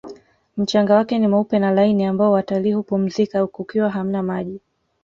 mchanga wake ni mweupe na laini ambao watalii humpumzika kukiwa hamna maji